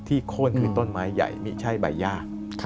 โค้นคือต้นไม้ใหญ่ไม่ใช่ใบย่า